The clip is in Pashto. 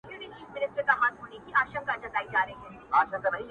چي وركوي څوك په دې ښار كي جينكو ته زړونه ـ